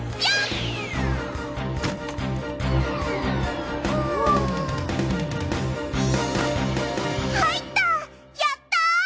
やった！